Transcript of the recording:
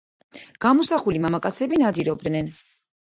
გამოსახული მამაკაცები ნადირობდნენ.